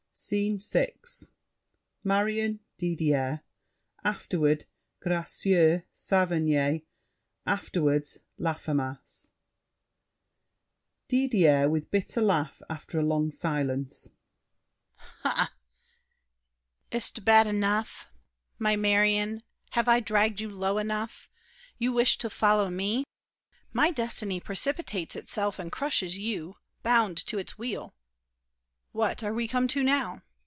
SCENE VI Marion, Didier; afterward Gracieux, Saverny, afterward Laffemas DIDIER (with bitter laugh, after a long silence). Is't bad enough? My Marion, have I dragged you low enough? You wished to follow me? My destiny Precipitates itself and crushes you, Bound to its wheel! What are we come to now?